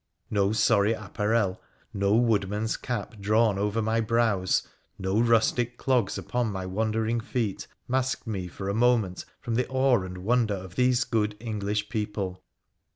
No sorry apparel, no wood man's cap drawn down over my brows, no rustic clogs upon my wandering feet, masked me for a moment from the awe and wonder of these good English people.